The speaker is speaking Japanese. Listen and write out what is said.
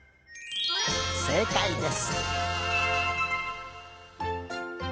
せいかいです。